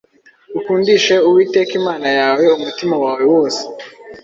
Ukundishe Uwiteka Imana yawe umutima wawe wose